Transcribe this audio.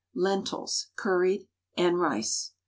LENTILS (CURRIED), AND RICE.